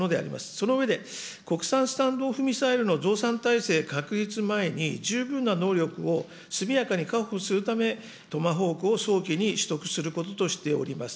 その上で、国産スタンド・オフ・ミサイルの増産体制確立前に十分な能力を速やかに確保するため、トマホークを早期に取得することとしております。